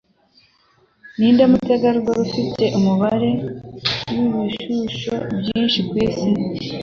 Ninde Mutegarugori Ufite Umubare Wibishusho Byinshi Kwisi?